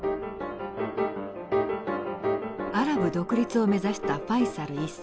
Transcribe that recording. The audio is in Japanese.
アラブ独立を目指したファイサル１世。